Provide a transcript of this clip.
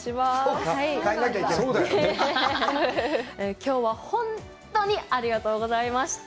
きょうは本当にありがとうございました。